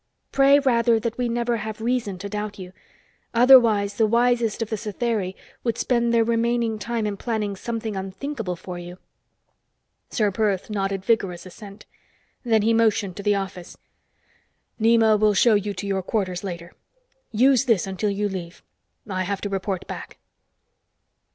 "Pray rather that we never have reason to doubt you. Otherwise the wisest of the Satheri would spend their remaining time in planning something unthinkable for you." Ser Perth nodded vigorous assent. Then he motioned to the office. "Nema will show you to your quarters later. Use this until you leave. I have to report back."